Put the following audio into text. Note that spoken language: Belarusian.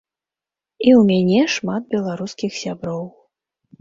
І ў мяне шмат беларускіх сяброў.